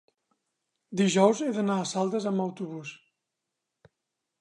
dijous he d'anar a Saldes amb autobús.